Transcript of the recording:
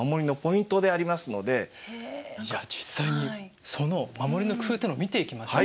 じゃあ実際にその守りの工夫っていうのを見ていきましょう。